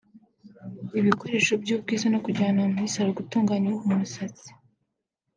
ibikoresho by’ubwiza no kujyanwa muri Salon gutunganya umusatsi